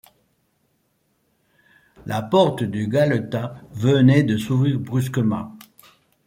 La porte du galetas venait de s’ouvrir brusquement.